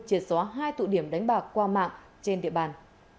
triệt xóa hai tụ điểm đánh bạc qua mạng trên địa bàn